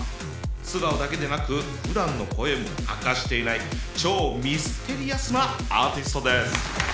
素顔だけでなくふだんの声も明かしていない超ミステリアスなアーティストです。